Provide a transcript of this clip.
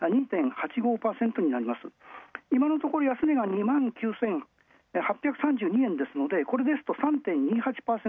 今のところ安値が２万９８３２円ですのでこれですと３．２８％。